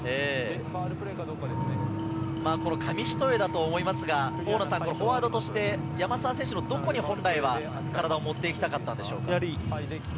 紙一重だと思いますが、フォワードとして山沢選手のどこに本来は体を持ってきたかったのでしょうか？